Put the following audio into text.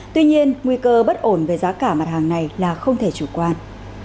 tuy nhiên nguy cơ bất ổn về giá cả mặt hàng này là không thể chủ quan